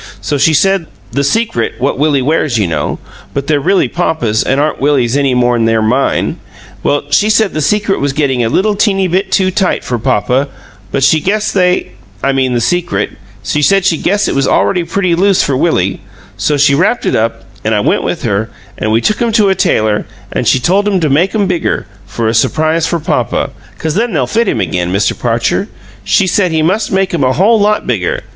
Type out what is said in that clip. So she said the the secret what Willie wears, you know, but they're really papa's an' aren't Willie's any more'n they're MINE well, she said the secret was gettin' a little teeny bit too tight for papa, but she guessed they I mean the secret she said she guessed it was already pretty loose for Willie; so she wrapped it up, an' I went with her, an' we took 'em to a tailor, an' she told him to make 'em bigger, for a surprise for papa, 'cause then they'll fit him again, Mr. Parcher. She said he must make 'em a whole lot bigger.